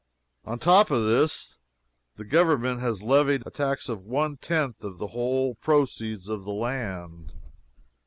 On top of this the Government has levied a tax of one tenth of the whole proceeds of the land.